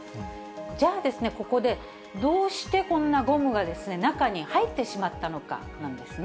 じゃあ、ここで、どうしてこんなゴムが中に入ってしまったのかなんですね。